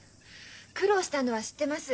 苦労したのは知ってます。